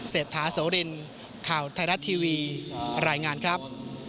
เศรษฐาโสรินข่าวไทยรัฐทีวีรายงานครับ